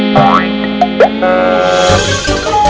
pak deh siap siap siap